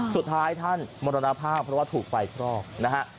สุดท้ายท่านมรณภาพเพราะว่าถูกไฟคลอกนะฮะ